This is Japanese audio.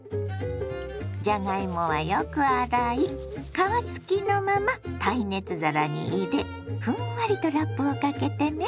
じゃがいもはよく洗い皮付きのまま耐熱皿に入れふんわりとラップをかけてね。